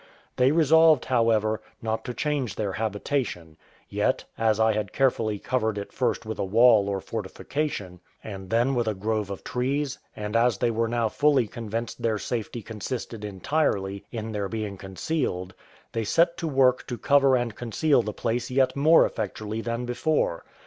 They resolved, however, not to change their habitation; yet, as I had carefully covered it first with a wall or fortification, and then with a grove of trees, and as they were now fully convinced their safety consisted entirely in their being concealed, they set to work to cover and conceal the place yet more effectually than before.